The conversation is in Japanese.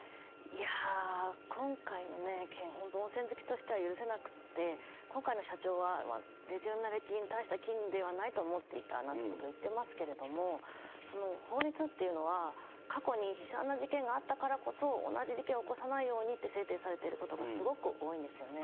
いや、今回の件、本当、温泉好きとしては許せなくて、今回の社長はレジオネラ菌、大した菌ではないと思っていたなんてことを言ってますけれども、法律っていうのは、過去に悲惨な事件があったからこそ、同じ事件を起こさないようにって制定されていることがすごく多いんですよね。